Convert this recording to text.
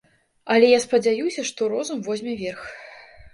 Але я спадзяюся, што розум возьме верх.